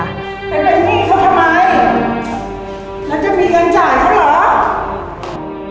ไปเป็นหนี้เขาทำไมแล้วจะมีเงินจ่ายเขาเหรอ